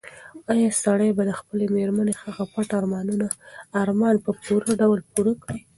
ایا سړی به د خپلې مېرمنې هغه پټ ارمان په پوره ډول پوره کړي؟